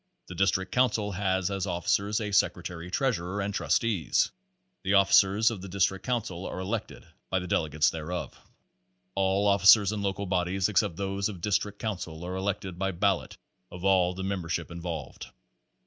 The District Council has as officers a sec retary treasurer and trustees. The officers of the dis trict council are elected by the delegates thereof. All officers in local bodies except those of district council are elected by ballot of all the membership in volved.